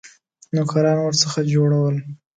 نوکران ورڅخه جوړول.